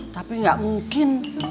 tapi enggak mungkin